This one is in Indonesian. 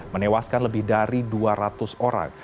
menewaskan lebih dari dua ratus orang